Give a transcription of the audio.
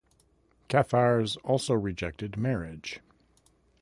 Cathars also rejected marriage.